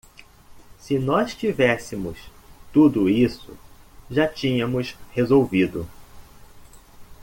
Se nós tivéssemos tudo isso, já tínhamos resolvido